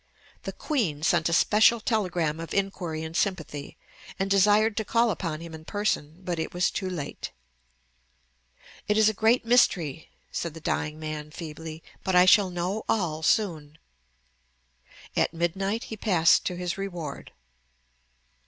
The Queen sent a special telegram of inquiry and sympathy, and desired to call upon him in person; but it was too late. "It is a great mystery," said the dying man feebly; "but I shall know all soon." At midnight he passed to his reward.